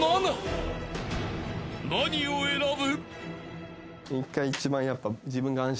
［何を選ぶ？］